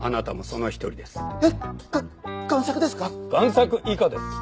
贋作以下です。